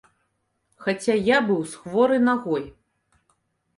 Хаця я быў з хворай нагой.